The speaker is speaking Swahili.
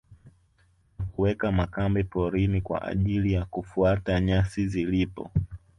Na kuweka makambi porini kwa ajili ya kufuata nyasi zilipo